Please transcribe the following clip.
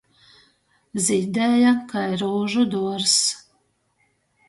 Zīdēja kai rūžu duorzs.